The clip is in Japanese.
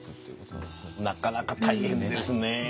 なかなか大変ですね。